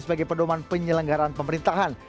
sebagai perdoman penyelenggaraan pemerintahan